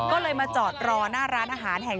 ก็เลยมาจอดรอหน้าร้านอาหารแห่ง๑